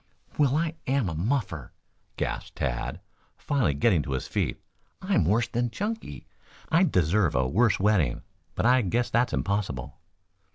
"Well, I am a muffer," gasped Tad, finally getting to his feet. "I'm worse than Chunky. I deserve a worse wetting, but I guess that's impossible."